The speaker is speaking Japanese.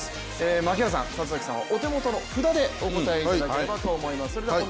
槙原さん、里崎さんはお手元の札でお答えいただければと思います。